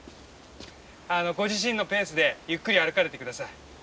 ご自身のペースでゆっくり歩かれて下さい。